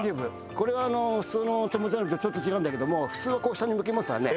これは普通の手持ち花火とちょっと違うんだけども普通はこう下に向けますわね。